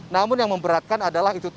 namun yang memberatkan adalah itu tadi